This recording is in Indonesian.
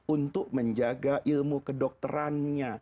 untuk menjaga ilmu kedokterannya